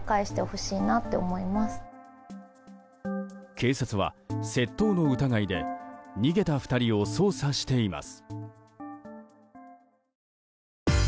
警察は窃盗の疑いで逃げた２人を捜査しています。